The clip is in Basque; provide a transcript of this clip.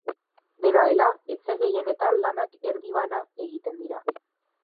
Dena dela, etxe gehienetan lanak erdibana egiten dira.